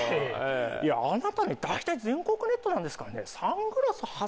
いやあなたね大体全国ネットなんですからね。